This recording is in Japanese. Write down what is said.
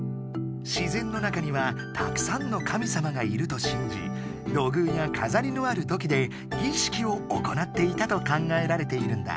自然の中にはたくさんのかみさまがいるとしんじ土偶やかざりのある土器で儀式を行っていたと考えられているんだ。